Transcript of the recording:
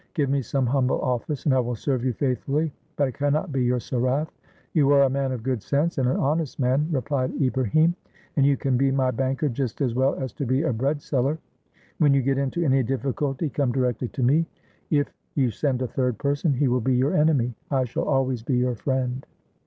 Give me some humble office, and I will serve you faithfully; but I can not be your sarajf." "You are a man of good sense, and an honest man," replied Ibrahim; "and you can be my banker just as well as to be a breadseller ! When you get into any difficulty, come directly to me. If you send a third person, he will be your enemy. I shall always be your friend.